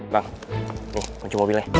bang gue mau cuci mobilnya